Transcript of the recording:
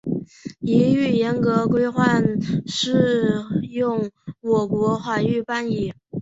一律严格、规范适用我国法律办理